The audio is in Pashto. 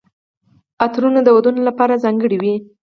عطرونه د ودونو لپاره ځانګړي وي.